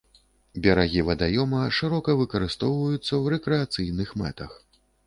Берагі вадаёма шырока выкарыстоўваюцца ў рэкрэацыйных мэтах.